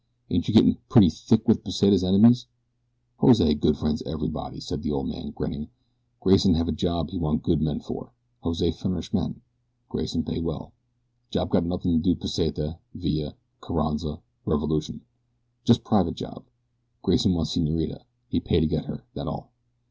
Ain't you gettin' pretty thick with Pesita's enemies?" "Jose good friends everybody," and the old man grinned. "Grayson have a job he want good men for. Jose furnish men. Grayson pay well. Job got nothin' do Pesita, Villa, Carranza, revolution just private job. Grayson want senorita. He pay to get her. That all."